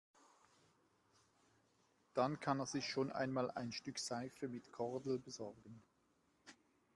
Dann kann er sich schon einmal ein Stück Seife mit Kordel besorgen.